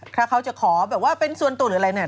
ถ้าเขาจะขอแบบว่าเป็นส่วนตัวหรืออะไรเนี่ย